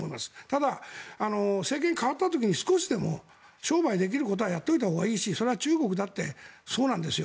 ただ政権が代わった時に少しでも商売できることはやったほうがいいですし中国もそうなんですよ。